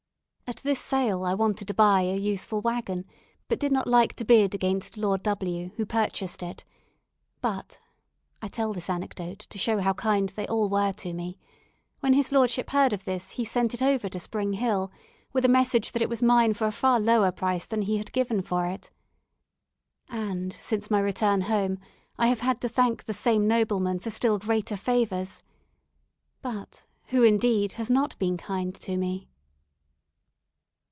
At this sale I wanted to buy a useful waggon, but did not like to bid against Lord W , who purchased it; but (I tell this anecdote to show how kind they all were to me) when his lordship heard of this he sent it over to Spring Hill, with a message that it was mine for a far lower price than he had given for it. And since my return home I have had to thank the same nobleman for still greater favours. But who, indeed, has not been kind to me?